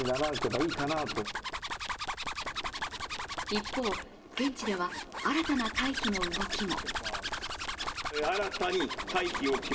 一方、現地では新たな退避の動きも。